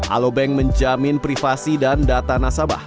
alobank menjamin privasi dan data nasabah